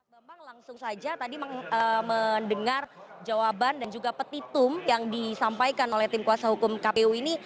bambang langsung saja tadi mendengar jawaban dan juga petitum yang disampaikan oleh tim kuasa hukum kpu ini